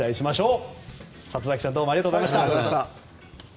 里崎さんありがとうございました。